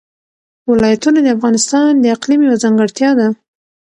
ولایتونه د افغانستان د اقلیم یوه ځانګړتیا ده.